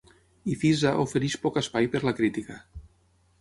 I Fiza ofereix poc espai per la crítica.